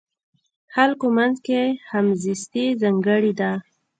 د خلکو منځ کې همزیستي ځانګړې ده.